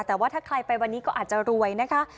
แต่ว่าถ้าใครไปวันนี้ก็อาจจะรวยนะคะ